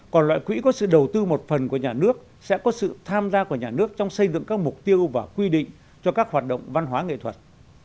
còn loại quỹ có sự đầu tư một phần của nhà nước sẽ có sự tham gia của nhà nước trong xây dựng các mục tiêu và quy định cho các hoạt động văn hóa nghệ thuật